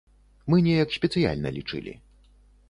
Мы неяк спецыяльна лічылі.